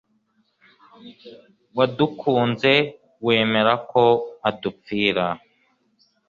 wadukunze, wemera ko adupfira